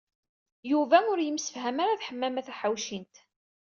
Yuba ur yemsefham ara d Ḥemmama Taḥawcint.